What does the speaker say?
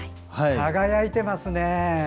輝いていますね！